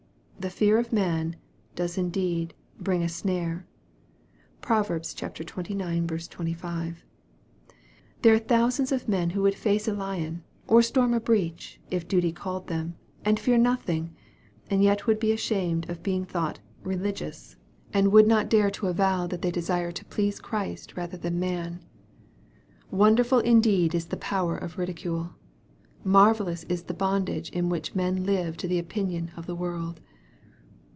" The fear of man" does indeed "bring a snare." (Prov. xxix. 25.) There are thousands of men who would face a lion, or storm a breach, if duty called them, and fear nothing and yet would be ashamed of being thought " religious" and MARK, CHAP. IX. 173 wou.d not dare to avow that they desired to please Christ rather than man. Wonderful indeed is the power of ridicule ! Marvellous is the bondage in which men live to the opinion of the world